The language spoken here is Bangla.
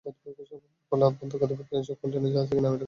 ফলে বন্দর কর্তৃপক্ষ এসব কনটেইনার জাহাজ থেকে নামিয়ে রাখার মাশুলও পাবে।